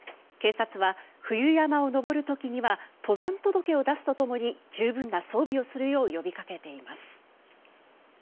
警察は冬山を登る時には登山届を出すとともに十分な装備をするよう呼びかけています。